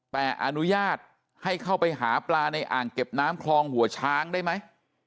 แต่อนุญาตให้เข้าไปหาปลาในอ่างเก็บน้ำคลองหัวช้างได้ไหม